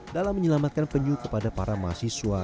dalam menyelamatkan penyu kepada para mahasiswa